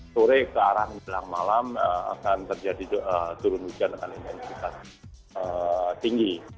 sore ke arah menjelang malam akan terjadi turun hujan dengan intensitas tinggi